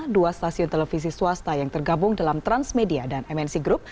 dua stasiun televisi swasta yang tergabung dalam transmedia dan mnc group